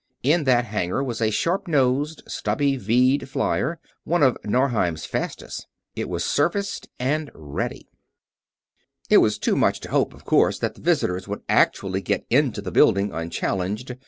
In that hangar was a sharp nosed, stubby V'd flyer, one of Norheim's fastest. It was serviced and ready. It was too much to hope, of course, that the visitors could actually get into the building unchallenged.